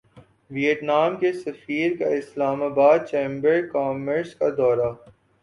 Vietnam کے سفیر کا اسلام باد چیمبر کامرس کا دورہ